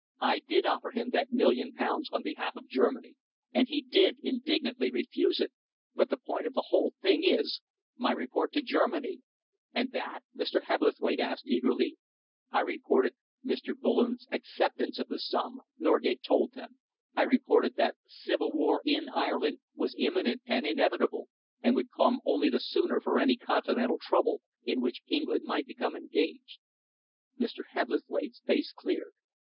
I did offer him that million pounds on behalf of Germany, and he did indignantly refuse it, but the point of the whole thing is my report to Germany." "And that?" Mr. Hebblethwaite asked eagerly. "I reported Mr. Bullen's acceptance of the sum," Norgate told them. "I reported that civil war in Ireland was imminent and inevitable and would come only the sooner for any continental trouble in which England might become engaged." Mr. Hebblethwaite's face cleared.